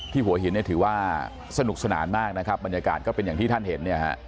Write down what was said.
หัวหินเนี่ยถือว่าสนุกสนานมากนะครับบรรยากาศก็เป็นอย่างที่ท่านเห็นเนี่ยฮะ